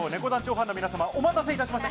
ファンの皆様、お待たせいたしました。